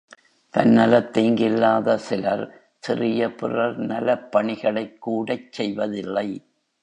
தன்னலத் தீங்கில்லாத சிலர் சிறிய பிறர் நலப் பணிகளைக் கூடச் செய்வதில்லை.